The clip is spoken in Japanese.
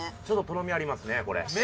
ちょっととろみありますねこれ。